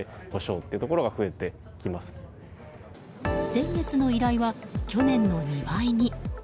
前月の依頼は去年の２倍に。